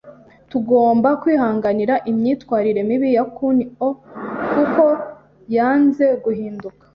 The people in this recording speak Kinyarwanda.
Tugomba kwihanganira imyitwarire mibi ya Kunio kuko yanze guhinduka.